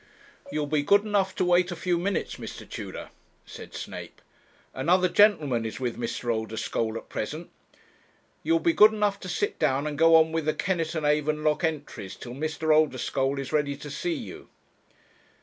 'You'll be good enough to wait a few minutes, Mr. Tudor,' said Snape. 'Another gentleman is with Mr. Oldeschole at present. You will be good enough to sit down and go on with the Kennett and Avon lock entries, till Mr. Oldeschole is ready to see you.'